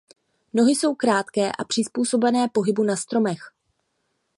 Nohy jsou krátké a přizpůsobené pohybu na stromech.